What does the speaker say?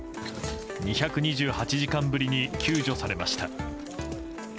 ２２８時間ぶりに救助されました。